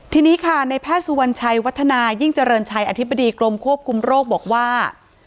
ทีนี้ค่ะในแพทย์สุวรรณชัยวัฒนายิ่งเจริญชัยอธิบดีกรมควบคุมโรคบอกว่า